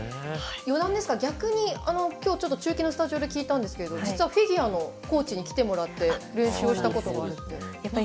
余談ですが逆にきょうちょっと中継のスタジオで聞いたんですがフィギュアのコーチに来てもらって練習をしたことがあるんで。